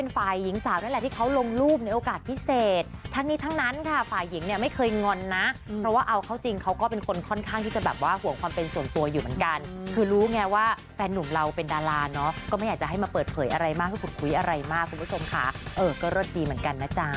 ฝ่ายหญิงสาวนั่นแหละที่เขาลงรูปในโอกาสพิเศษทั้งนี้ทั้งนั้นค่ะฝ่ายหญิงเนี่ยไม่เคยงอนนะเพราะว่าเอาเข้าจริงเขาก็เป็นคนค่อนข้างที่จะแบบว่าห่วงความเป็นส่วนตัวอยู่เหมือนกันคือรู้ไงว่าแฟนหนุ่มเราเป็นดาราเนาะก็ไม่อยากจะให้มาเปิดเผยอะไรมากที่สุดคุยอะไรมากคุณผู้ชมค่ะเออก็เลิศดีเหมือนกันนะจ๊ะ